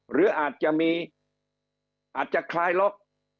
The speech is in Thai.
หรืออาจจะมีอาจจะคลายล็อก